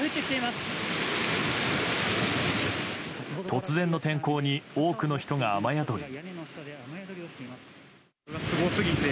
突然の天候に多くの人が雨宿り。